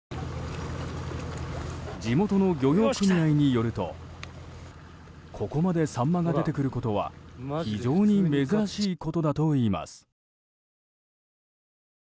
地元の漁業組合によるとここまでサンマが出てくることは非常に珍しいことだといいます。